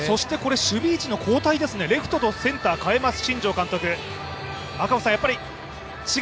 守備位置の交代ですね、レフトとセンターを代えます。